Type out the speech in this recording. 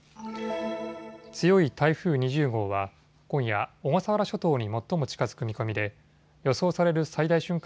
強い台風２０号は今夜、小笠原諸島に最も近づく見込みで予想される最大瞬間